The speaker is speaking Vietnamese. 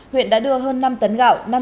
huyện đã đưa hơn năm tấn gạo